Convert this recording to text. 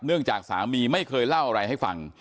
จากสามีไม่เคยเล่าอะไรให้ฟัง